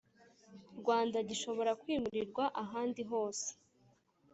Rwanda Gishobora kwimurirwa ahandi hose